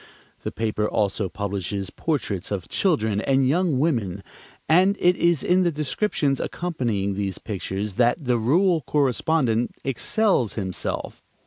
The paper also publishes portraits of children and young women, and it is in the descriptions accompanying these pictures that the rural correspondent excels himself.